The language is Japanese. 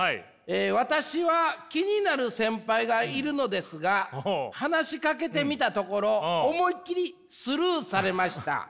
「私は気になる先輩がいるのですが話しかけてみたところ思いっきりスルーされました。